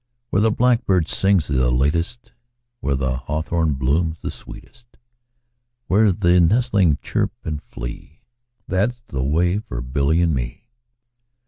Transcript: Where the blackbird sings the latest, 5 Where the hawthorn blooms the sweetest, Where the nestlings chirp and flee, That 's the way for Billy and me.